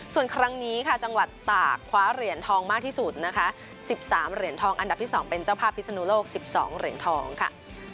ส่วนครั้งนี้ค่ะจังหวัดตากคว้าเหรียญทองมากที่สุดนะคะ๑๓เหรียญทองอันดับที่๒เป็นเจ้าภาพพิศนุโลก๑๒เหรียญทองค่ะ